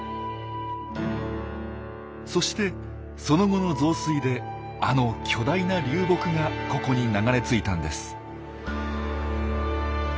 そしてその後の増水であの巨大な流木がここに流れ着いたんです。